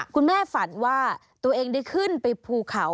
ฝันว่าตัวเองได้ขึ้นไปภูเขา